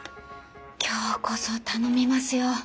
今日こそ頼みますよ。